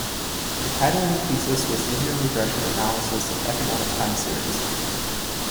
The title of the thesis was "Linear regression analysis of economic time series".